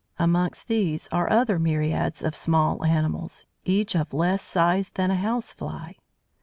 Amongst these are other myriads of small animals, each of less size than a house fly.